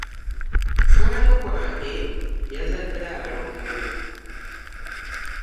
Mukwano gwange yazade abalongo.